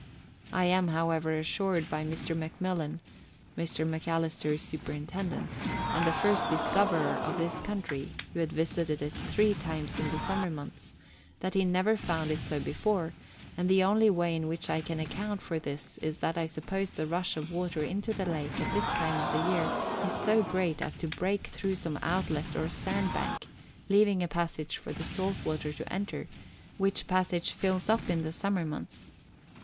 I am, however, assured by Mr. McMillan (Mr. Macalister's superintendent), and the first discoverer of this country, who had visited it three times in the summer months, that he never found it so before, and the only way in which I can account for this is that I suppose the rush of water into the lake at this time of the year is so great as to break through some outlet or sand bank, leaving a passage for the salt water to enter, which passage fills up in the summer months.